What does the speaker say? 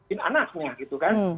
ini anaknya gitu kan